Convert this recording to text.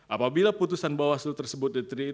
apabila putusan bawaslu tersebut diterima